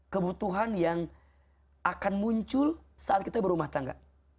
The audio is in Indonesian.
kebutuhan yang akan muncul saat kita berumah tangga